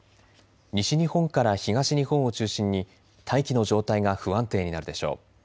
西日本から東日本を中心に大気の状態が不安定になるでしょう。